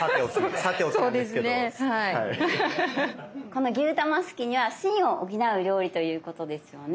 この「牛卵すき煮」は「心」を補う料理ということですよね。